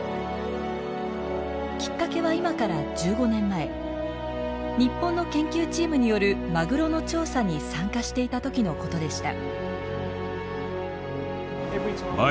きっかけは今から１５年前日本の研究チームによるマグロの調査に参加していた時のことでした。